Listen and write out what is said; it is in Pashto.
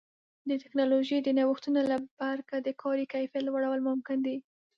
د ټکنالوژۍ د نوښتونو له برکه د کاري کیفیت لوړول ممکن دي.